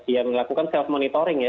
ya melakukan self monitoring ya